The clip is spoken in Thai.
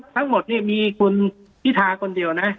ทั้งหมดนี่มีคุณพิธาคนเดียวนะ